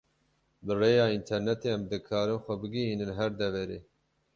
Bi rêya internetê em dikarin xwe bigihînin her deverê.